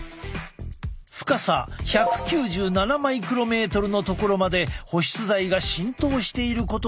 深さ１９７マイクロメートルのところまで保湿剤が浸透していることが分かった。